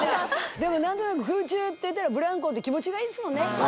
でも何となく「空中」っていったら「ブランコ」って気持ちがいいですもんね。